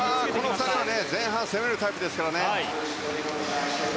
この２人は前半から攻めるタイプですからね。